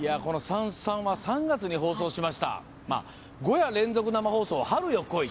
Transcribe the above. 「燦燦」は３月に放送しました５夜連続生放送「春よ、来い！」